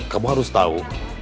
kamu harus tahu